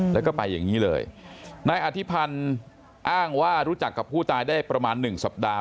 แล้วก็ไปอย่างนี้เลยนายอธิพันธ์อ้างว่ารู้จักกับผู้ตายได้ประมาณหนึ่งสัปดาห